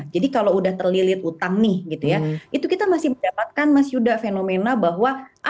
jadi kalau sudah terlilit utang kita masih mendapatkan fenomena bahwa